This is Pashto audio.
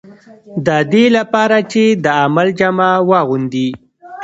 د دې لپاره چې د عمل جامه واغوندي.